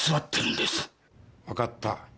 分かった。